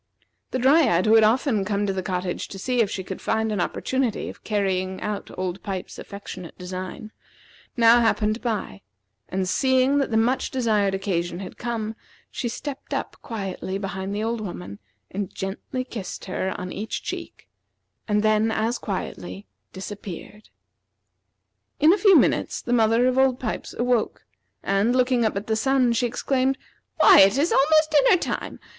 The Dryad, who had often come to the cottage to see if she could find an opportunity of carrying out old Pipes's affectionate design, now happened by; and seeing that the much desired occasion had come, she stepped up quietly behind the old woman and gently kissed her on each cheek, and then as quietly disappeared. In a few minutes the mother of old Pipes awoke, and looking up at the sun, she exclaimed: "Why, it is almost dinner time!